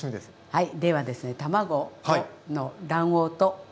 はい。